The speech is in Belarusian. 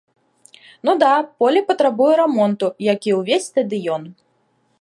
Ну да, поле патрабуе рамонту, як і ўвесь стадыён.